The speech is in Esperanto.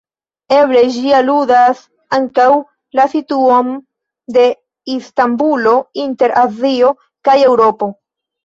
Eble ĝi aludas ankaŭ la situon de Istanbulo inter Azio kaj Eŭropo.